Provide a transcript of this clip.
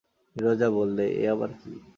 নীরজা বললে, এ আবার কী।